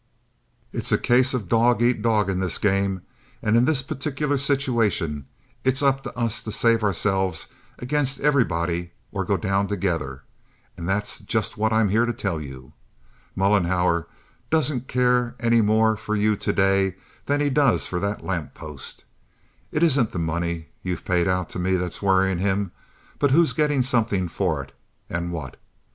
It's a case of dog eat dog in this game and this particular situation and it's up to us to save ourselves against everybody or go down together, and that's just what I'm here to tell you. Mollenhauer doesn't care any more for you to day than he does for that lamp post. It isn't that money you've paid out to me that's worrying him, but who's getting something for it and what.